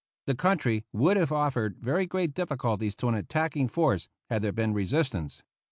The country would have offered very great difficulties to an attacking force had there been resistance.